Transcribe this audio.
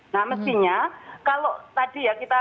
nah mestinya kalau tadi ya kita